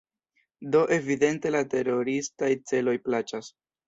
Do evidente la teroristaj celoj plaĉas.